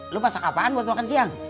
lo masak apaan buat makan siang